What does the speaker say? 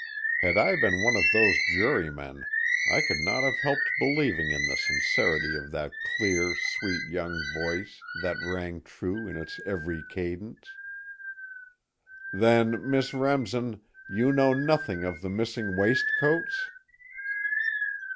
Had I been one of those jurymen I could not have helped believing in the sincerity of that clear, sweet young voice that rang true in its every cadence. "Then, Miss Remsen, you know nothing of the missing waistcoats?"